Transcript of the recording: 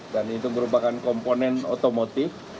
dan itu merupakan komponen otomotif